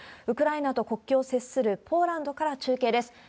ウクライナと国境を接するポーランドから中継です。